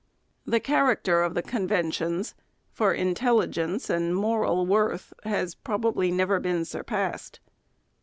The character of the con ventions for intelligence and moral worth has probably never been surpassed.